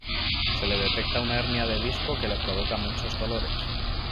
Se le detecta una hernia de disco que le provoca muchos dolores.